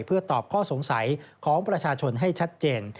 เพื่อตอบข้อสงสัยของประชาชนให้ชัดเจน